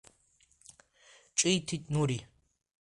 Ҿиҭит Нури.